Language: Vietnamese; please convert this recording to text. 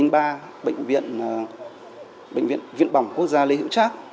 bệnh viện viện bỏng quốc gia lê hữu trác